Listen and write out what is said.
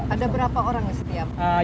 ada berapa orang setiap